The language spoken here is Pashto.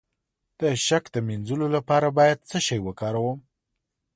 د شک د مینځلو لپاره باید څه شی وکاروم؟